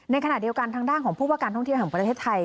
ในขณะเดียวกันทางด้านของผู้ว่าการท่องเที่ยวแห่งประเทศไทย